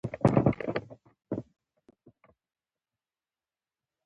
انګور د افغانستان په هره برخه کې موندل کېږي.